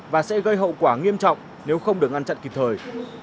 và sẽ gây hậu quả nghiêm trọng nếu không được ngăn chặn kịp thời